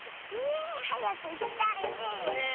ねえはやくいきたいねえ。